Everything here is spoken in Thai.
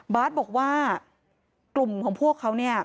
บาสบอกว่ากลุ่มของพวกเขา